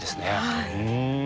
はい。